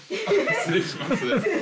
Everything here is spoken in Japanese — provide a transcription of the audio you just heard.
失礼します。